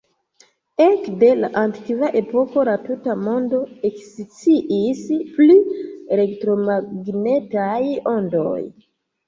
Ekde la antikva epoko, la tuta mondo eksciis pri elektromagnetaj ondoj.